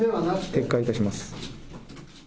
撤回いたします。